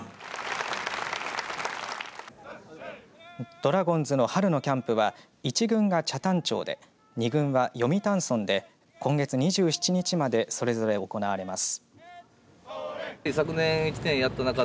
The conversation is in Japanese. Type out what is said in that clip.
ドラゴンズの春のキャンプは１軍が北谷町で２軍は読谷村で今月２７日までそれぞれ行われます。